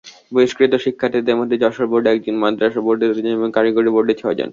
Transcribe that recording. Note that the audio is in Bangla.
বহিষ্কৃত শিক্ষার্থীদের মধ্যে যশোর বোর্ডে একজন, মাদ্রাসা বোর্ডে দুজন এবং কারিগরি বোর্ডে ছয়জন।